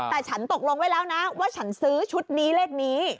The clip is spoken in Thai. แต่ฉันตกลงไว้แล้วนะว่าฉันซื้อชุดนี้เลขนี้